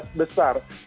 bagi masyarakat juga